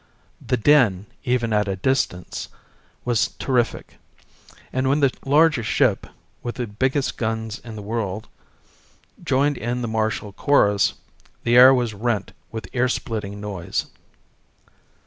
The din, even at the distance, was terrific, and when the largest ship, with the biggest guns in the world, joined in the martial chorus, the air was rent with ear splitting noise.